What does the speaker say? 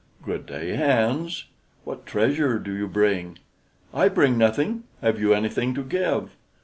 "Good day, Hans. What treasure do you bring?" "I bring nothing. Have you anything to give?"